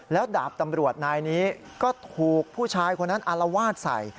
แล้วดาบตำรวจนายนี้ก็ถูกผู้ชายคนนั้นอารวาสใส่